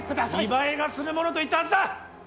見栄えがする者と言ったはずだ！